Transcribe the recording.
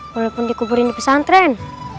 walaupun dikuburin di pesantren